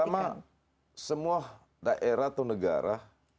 sama semua daerah atau negara